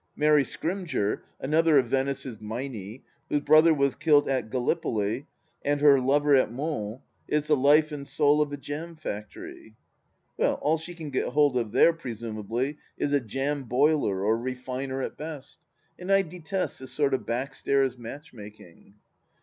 Mary Scrymgeour, another of Venice's Meinie, whose brother was killed in Gallipoli and her lover at Mons, is the life and soul of a jam factory. Well, all she can get hold of there presumably is a jam boiler or refiner at best, and I detest this sort of backstairs matchmaking.